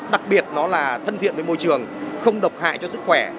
đặc biệt nó là thân thiện với môi trường không độc hại cho sức khỏe